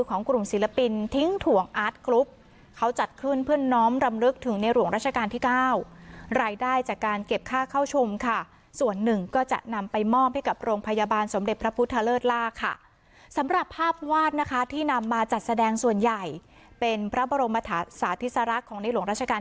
กลุ่มศิลปินทิ้งถ่วงอาร์ตกรุ๊ปเขาจัดขึ้นเพื่อน้อมรำลึกถึงในหลวงราชการที่เก้ารายได้จากการเก็บค่าเข้าชมค่ะส่วนหนึ่งก็จะนำไปมอบให้กับโรงพยาบาลสมเด็จพระพุทธเลิศล่าค่ะสำหรับภาพวาดนะคะที่นำมาจัดแสดงส่วนใหญ่เป็นพระบรมธาธิสลักษณ์ของในหลวงราชการ